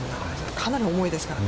かなり重いですからね。